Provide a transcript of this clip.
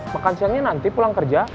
makan siangnya nanti pulang kerja